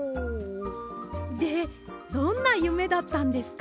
でどんなゆめだったんですか？